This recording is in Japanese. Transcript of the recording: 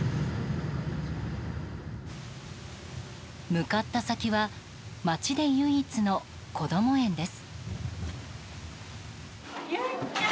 向かった先は町で唯一のこども園です。